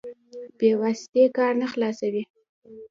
بې واسطې کار نه خلاصوي.